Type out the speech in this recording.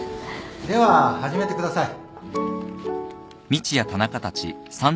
では始めてください。